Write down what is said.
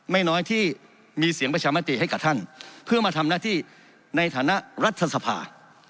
ไม่น้อยที่มีเสียงประชามติให้กับท่านเพื่อมาทำหน้าที่ในฐานะรัฐสภา